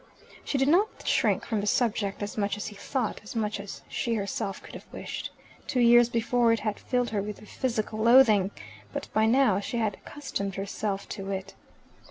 She did not shrink from the subject as much as he thought, as much as she herself could have wished. Two years before, it had filled her with a physical loathing. But by now she had accustomed herself to it.